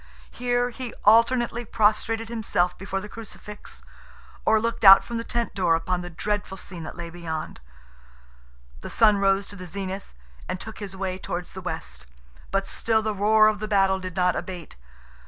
Here, he alternately prostrated himself before the Crucifix, or looked out from the tent door upon the dreadful scene that lay beyond. The sun rose to the zenith and took his way towards the west, but still the roar of the battle did not abate.